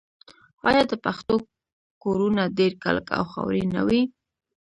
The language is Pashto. آیا د پښتنو کورونه ډیر کلک او خاورین نه وي؟